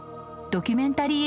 ドキュメンタリー